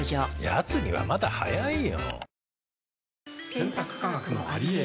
やつにはまだ早いよ。